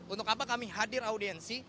untuk apa kami hadir audiensi